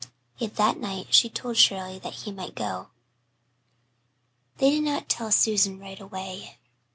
Yet that night she told Shirley that he might go. They did not tell Susan right away.